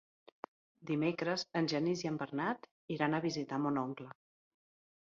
Dimecres en Genís i en Bernat iran a visitar mon oncle.